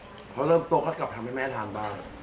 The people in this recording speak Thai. พอเริ่มโตเขากลับทำให้แม่ทานบ้าง